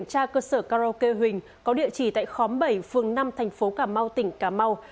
cơ sở karaoke huỳnh có địa chỉ tại khóm bảy phương năm thành phố cà mau tỉnh cà mau